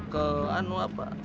ke anu apa